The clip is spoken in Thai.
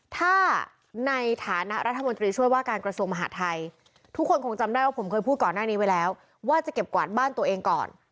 ถ้าในฐานะรัฐมนตรีช่วยว่าการกระทรวงมหาทัยทุกคนคงจำได้ว่าผมเคยพูดก่อนหน้านี้ไว้แล้วว่าจะเก็บกวาดบ้านตัวเองก่อน